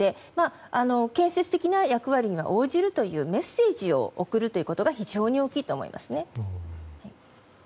建設的な役割には応じるというメッセージを送るということが非常に大きいと思います。